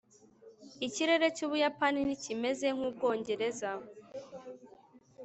ikirere cy'ubuyapani ntikimeze nk'ubwongereza